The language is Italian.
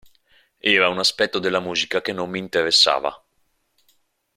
Era un aspetto della musica che non mi interessava.